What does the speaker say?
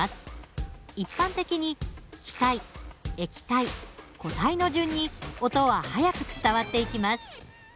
一般的に気体液体固体の順に音は速く伝わっていきます。